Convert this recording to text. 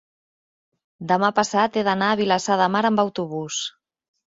demà passat he d'anar a Vilassar de Mar amb autobús.